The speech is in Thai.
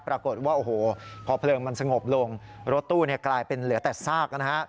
ปรากฏว่าโอ้โหพอเพลิงมันสงบลงรถตู้กลายเป็นเหลือแต่ซากนะฮะ